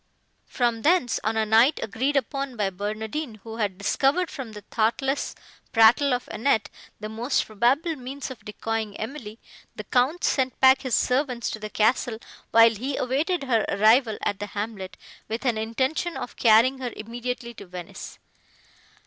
From thence, on a night agreed upon by Barnardine, who had discovered from the thoughtless prattle of Annette, the most probable means of decoying Emily, the Count sent back his servants to the castle, while he awaited her arrival at the hamlet, with an intention of carrying her immediately to Venice.